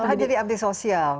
malah jadi antisosial